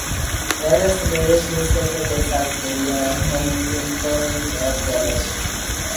Letters to British newspapers criticised media handling of the election.